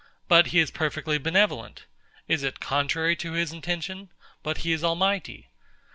But he is perfectly benevolent. Is it contrary to his intention? But he is almighty.